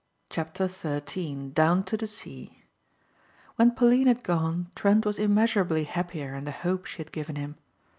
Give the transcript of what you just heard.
CHAPTER THIRTEEN DOWN TO THE SEA When Pauline had gone Trent was immeasurably happier in the hope she had given him.